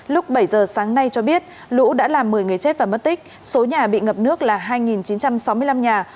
lúc bảy giờ sáng nay cho biết lũ đã làm một mươi người chết và mất tích số nhà bị ngập nước là hai chín trăm sáu mươi năm nhà